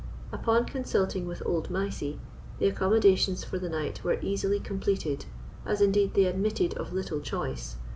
Upon consulting with old Mysie, the accommodations for the night were easily completed, as indeed they admitted of little choice.